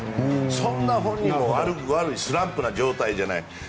そんな本人も悪いスランプの状態じゃない。